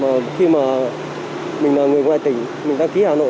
và khi mà mình là người ngoài tỉnh mình đăng ký hà nội